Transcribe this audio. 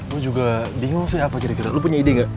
lo juga bingung sih apa kira kira lo punya ide gak